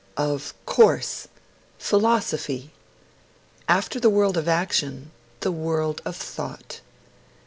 Of course! Philosophy! After the world of action, the world of thought.